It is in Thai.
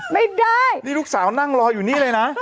ไม่ได้นี่ลูกสาวนั่งรออยู่นี่เลยนะ